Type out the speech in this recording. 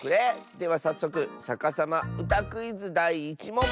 ではさっそく「さかさまうたクイズ」だい１もん。